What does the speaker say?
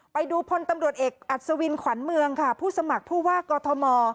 ไปดูพลตำรวจเอกอัศวินขวัญเมืองค่ะผู้สมัครผู้ว่ากอทม